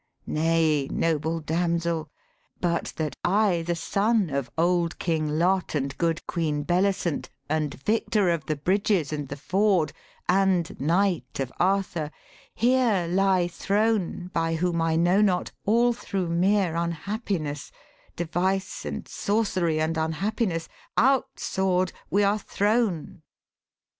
'Nay, noble damsel, but that I, the son Of old King Lot and good Queen Bellicent, And victor of the bridges and the ford, And knight of Arthur, here lie thrown by whom I know not, all thro' mere unhappiness Device and sorcery and unhappiness Out, sword; we are thrown!'